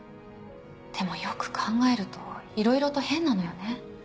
でもよく考えるといろいろと変なのよね。